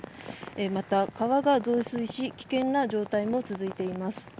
また、川が増水し危険な状態も続いています。